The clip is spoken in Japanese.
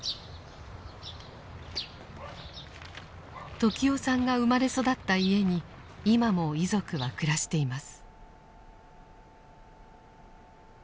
時雄さんが生まれ育った家に今も遺族は暮らしています。